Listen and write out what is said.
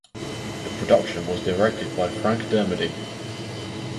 The production was directed by Frank Dermody.